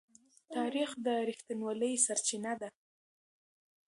تاریخ د رښتینولۍ سرچینه ده.